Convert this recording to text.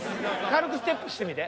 軽くステップしてみて。